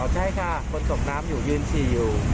ใช่ค่ะคนตกน้ำอยู่ยืนฉี่อยู่